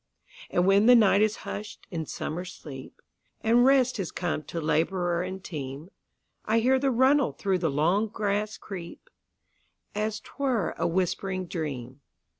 And when the night is hush'd in summer sleep, And rest has come to laborer and team,I hear the runnel through the long grass creep, As 't were a whispering dream.